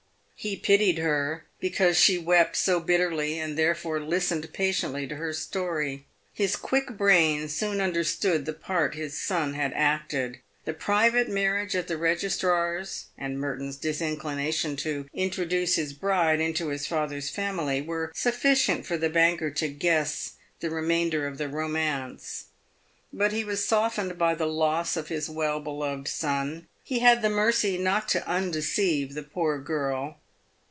He pitied her because she wept so bitterly, and therefore listened patiently to her story. His quick brain soon understood the part his son had acted. The private marriage at the Registrar's, and Merton's disinclination to introduce his bride into his father's family, were sufficient for the banker to guess the remainder of the romance. But he was softened by the loss of his well beloved son. He had the mercy not to undeceive the poor girl.